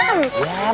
emang ini tetap